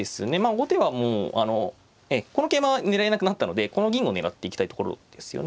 後手はもうこの桂馬は狙えなくなったのでこの銀を狙っていきたいところですよね。